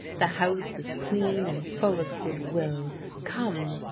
The house is clean and full of goodwill Come!"